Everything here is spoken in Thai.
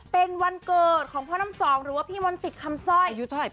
เป็นวันเกิดของพ่อน้ำสองหรือว่าพี่มนตร์สิตคำซ่อย